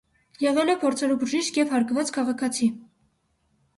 Եղել է փորձառու բժիշկ և հարգված քաղաքացի։